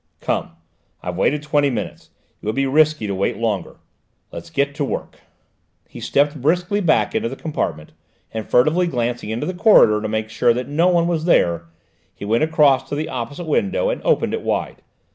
"Come: I've waited twenty minutes; it would be risky to wait longer; let's get to work!" He stepped briskly back into the compartment, and furtively glancing into the corridor to make sure that no one was there, he went across to the opposite window and opened it wide.